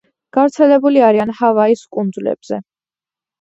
გავრცელებული არიან ჰავაის კუნძულებზე.